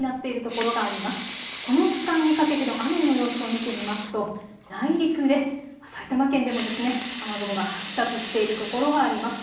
この時間にかけての雨の様子を見てみますと内陸で埼玉県でも雨雲が発達しているところがあります。